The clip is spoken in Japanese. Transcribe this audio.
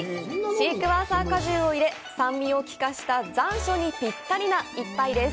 シークワーサー果汁を入れ酸味を効かした残暑にぴったりな一杯です。